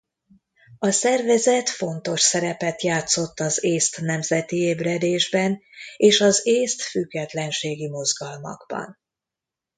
A szervezet fontos szerepet játszott az észt nemzeti ébredésben és az észt függetlenségi mozgalmakban.